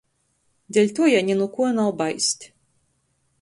Deļtuo jai ni nu kuo nav baist.